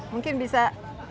mungkin bisa cerita sedikit